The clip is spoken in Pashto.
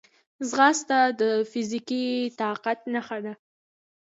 ځغاسته د فزیکي طاقت نښه ده